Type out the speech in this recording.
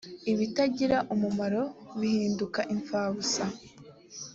ibitagira umumaro bihinduka ipabusa.